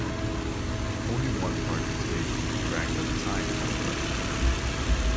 Only one part of a stage can be cracked at a time, however.